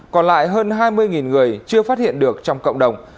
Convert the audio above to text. còn lại hơn hai mươi người chưa phát hiện được trong cộng đồng